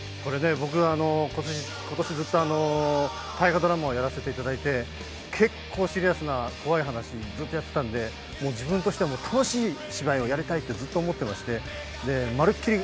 僕、今年ずっと大河ドラマをやらせていただいて結構シリアスな怖い話をずっとやってたので自分としては楽しい芝居をやりたいと思ってまるっきり